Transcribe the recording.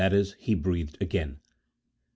he breathed again. (3.)